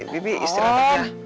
bebi istirahat aja